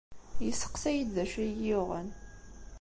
Yesseqsa-iyi-d d acu ay iyi-yuɣen.